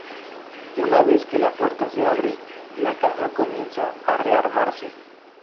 Una vez que la puerta se abre, la caja comienza a rearmarse.